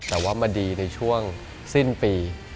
แต่ว่ามาดีในช่วงสิ้นปี